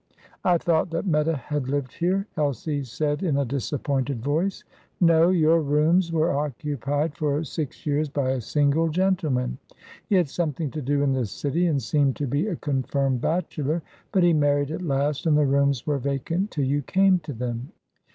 "I thought that Meta had lived here," Elsie said in a disappointed voice. "No. Your rooms were occupied for six years by a single gentleman. He had something to do in the City, and seemed to be a confirmed bachelor. But he married at last, and the rooms were vacant till you came to them."